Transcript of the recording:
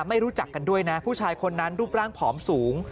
ไม่รู้จักกันด้วยนะผู้ชายคนนั้นรูปร่างผอมสูง